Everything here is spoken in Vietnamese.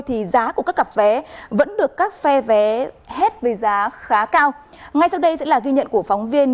thì giá của các cặp vé vẫn được các phe vé hết với giá khá cao ngay sau đây sẽ là ghi nhận của phóng viên